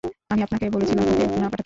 আমি আপনাকে বলেছিলাম ওকে না পাঠাতে।